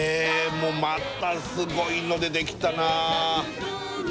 もうまたすごいの出てきたなあいや